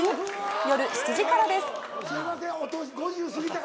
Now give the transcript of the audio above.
夜７時からです。